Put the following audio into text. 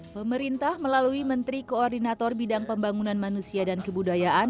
pemerintah melalui menteri koordinator bidang pembangunan manusia dan kebudayaan